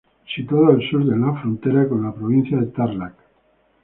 Situado al sur en la frontera con la provincia de Tarlac.